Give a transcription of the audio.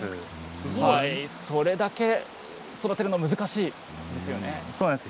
それだけ育てるのが難しいんですね。